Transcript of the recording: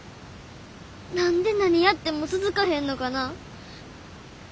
何で何やっても続かへんのかな。